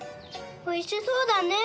おいしそうだね！